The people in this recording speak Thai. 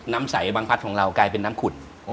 น้ำใสบางพัดของเรากลายเป็นน้ำขุด